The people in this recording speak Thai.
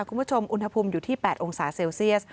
คุณผู้ชมอุณหภูมิอยู่ที่๘องศาเซลเซียส